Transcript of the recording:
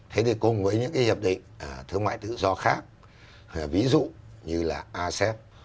thế thì cùng với những cái hiệp định thương mại tự do khác ví dụ như là asep